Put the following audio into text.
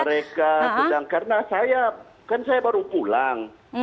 mereka sedang karena saya kan saya baru pulang